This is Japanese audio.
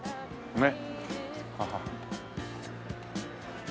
ねっ。